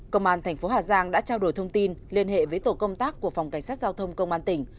công an thành phố hà giang đã trao đổi thông tin liên hệ với tổ công tác của phòng cảnh sát giao thông công an tỉnh